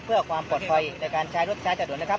เพื่อความปลอดภัยในการใช้รถใช้จัดด่วนนะครับ